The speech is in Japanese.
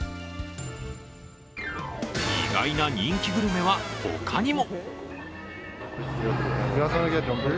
意外な人気グルメは他にも。